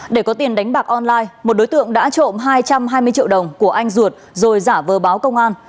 để có tiền đánh bạc online một đối tượng đã trộm hai trăm hai mươi triệu đồng của anh ruột rồi giả vờ báo công an